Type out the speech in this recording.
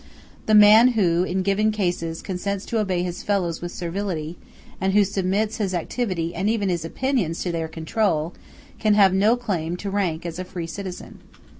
The man who in given cases consents to obey his fellows with servility, and who submits his activity and even his opinions to their control, can have no claim to rank as a free citizen.